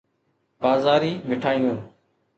بازاري مٺايون